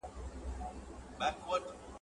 سبزیجات تيار کړه